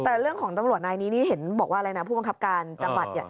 แต่เรื่องของตำรวจนายนี้นี่เห็นบอกว่าอะไรนะผู้บังคับการจังหวัดเนี่ย